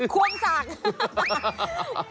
ขวงสาก